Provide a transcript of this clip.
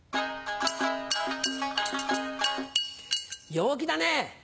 陽気だね！